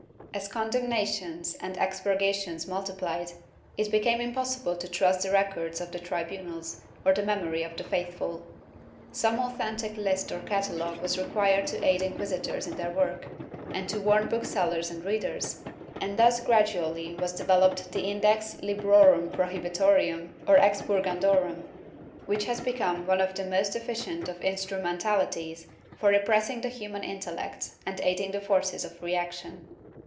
As condemnations and expurga tions multiplied, it became impossible to trust the records of the tribunals or the memory of the faithful. Some authentic list or catalogue was required to aid inquisitors in their work, and to warn booksellers and readers, and thus gradually was developed the Index Lihrorum Prohihitorum or Expurgandorum, which has become one of the most efficient of instrumentalities for repressing the human intellect and aiding the forces of reaction.